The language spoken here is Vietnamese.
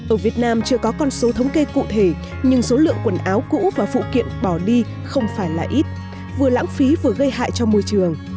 ở việt nam chưa có con số thống kê cụ thể nhưng số lượng quần áo cũ và phụ kiện bỏ đi không phải là ít vừa lãng phí vừa gây hại cho môi trường